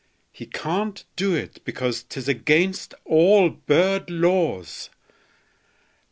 He can't do it, because 'T is against all bird laws.